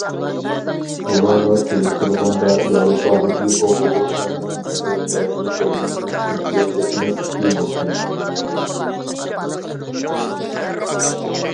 بۇلارغا سېلىشتۇرغاندا ياۋروپادىكى ئوقۇغۇچىلارنىڭ نەزەرىيەۋى بىلىملىرى بىزگە يەتمەسلىكى مۇمكىن.